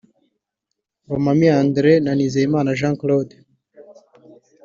Romami Andre na Nizeyimana Jean Claude